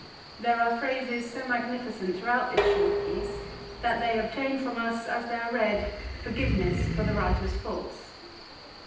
There are phrases so magnificent throughout this short piece that they obtain from us, as they are read, forgiveness for the writer's faults.